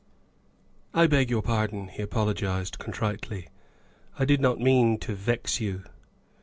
" I beg your pardon," he apologized contritely, " I did not mean to vex you.